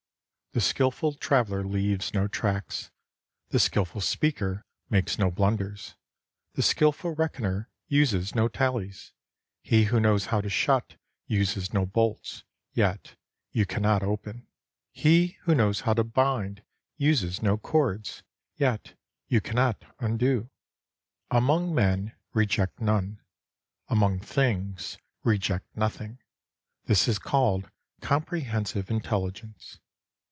The skilful traveller leaves no tracks ; the skilful speaker makes no blunders ; the skilful reckoner uses no tallies. He who knows how to shut uses no bolts — yet you cannot open. He who knows how to bind uses no cords — yet you cannot undo. Among men, reject none ; among things, reject nothing. This is called comprehensive intelligence.